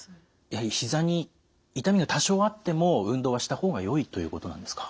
やはりひざに痛みが多少あっても運動はした方がよいということなんですか？